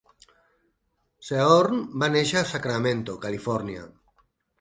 Sehorn va néixer a Sacramento, Califòrnia.